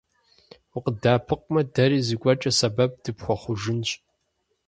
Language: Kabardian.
УкъыддэӀэпыкъумэ, дэри зыгуэркӀэ сэбэп дыпхуэхъужынщ.